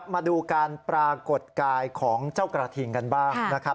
มาดูการปรากฏกายของเจ้ากระทิงกันบ้างนะครับ